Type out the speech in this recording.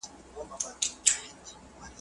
لا سلمان یې سر ته نه وو درېدلی `